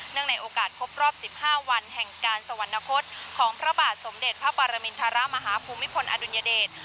เนื่องในโอกาสครบรอบสิบห้าวันแห่งการสวรรคตของพระบาทสมเด็จพระประมินทรมาหาภูมิพลอดุญเดช